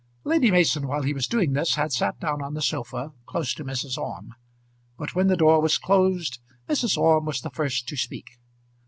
Lady Mason while he was doing this had sat down on the sofa, close to Mrs. Orme; but when the door was closed Mrs. Orme was the first to speak.